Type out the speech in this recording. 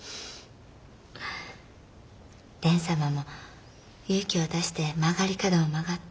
蓮様も勇気を出して曲がり角を曲がって。